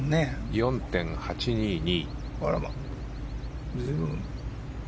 ４．８２２。